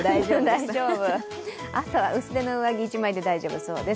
朝す薄手の上着１枚で大丈夫です